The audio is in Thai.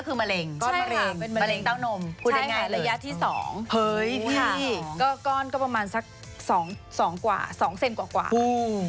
คือเป็นก้อนผิดไปก็คือมะเร็ง